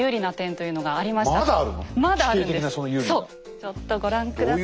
ちょっとご覧下さい。